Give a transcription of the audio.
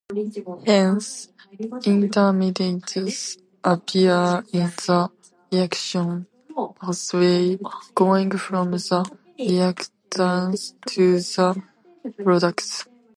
Hence, intermediates appear in the reaction pathway going from the reactants to the products.